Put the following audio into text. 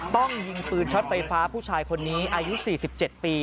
ต้องยิงปืนช็อตไฟฟ้าผู้ชายคนนี้อายุ๔๗ปี